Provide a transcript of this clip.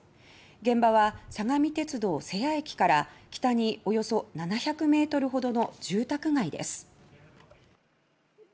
現場は、相模鉄道瀬谷駅から北におよそ７００ｍほどの住宅街です。